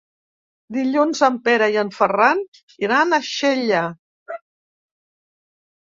Dilluns en Pere i en Ferran iran a Xella.